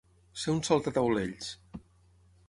Ser un saltataulells.